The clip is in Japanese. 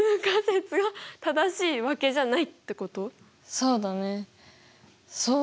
そうだね。